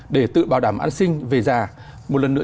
để tự bảo đảm an sinh về già một lần nữa